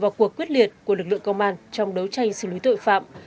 và cuộc quyết liệt của lực lượng công an trong đấu tranh xử lý tội phạm